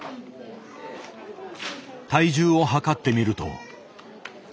体重をはかってみると。